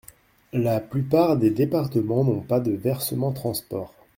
La plupart des départements n’ont pas de versement transport.